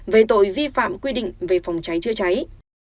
về tội vi phạm quy định về phòng cháy chữa cháy